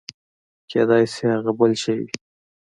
کېداى سي هغه بل شى وي.